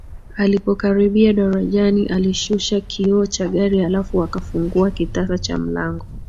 Alipokaribia darajani alishusha kioo cha gari halafu akafungua kitasa cha mlango